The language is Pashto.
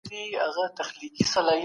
پارلمان کلتوري تبادله نه دروي.